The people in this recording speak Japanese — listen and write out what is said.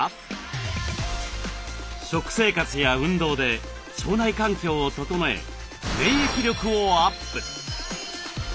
食生活や運動で腸内環境を整え免疫力をアップ。